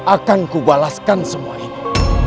akan ku balaskan semua ini